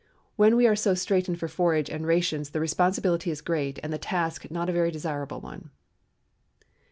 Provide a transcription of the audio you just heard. When we are so straitened for forage and rations the responsibility is great and the task not a very desirable one."